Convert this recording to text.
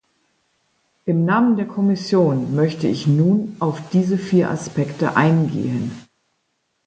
Im Namen der Kommission möchte ich nun auf diese vier Aspekte eingehen.